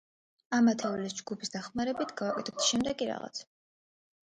ამ ათეულების ჯგუფის დახმარებით გავაკეთოთ შემდეგი რაღაც.